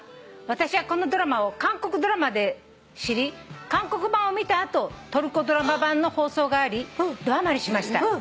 「私はこのドラマを韓国ドラマで知り韓国版を見た後トルコドラマ版の放送がありどはまりしました」